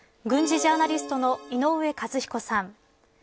軍事ジャーナリストの井上和彦さん。